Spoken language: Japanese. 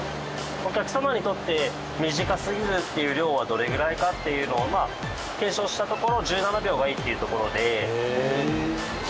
お客様にとって短すぎずっていう量はどれぐらいかっていうのを検証したところ１７秒がいいっていうところで。